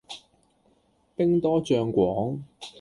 兵多將廣